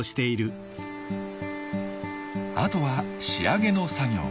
あとは仕上げの作業。